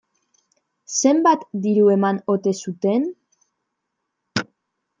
Zenbat diru eman ote zuten?